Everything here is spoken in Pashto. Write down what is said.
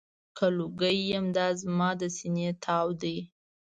که لوګی یم، دا زما د سینې تاو دی.